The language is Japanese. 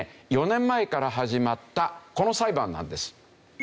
４年前から始まったこの裁判なんです。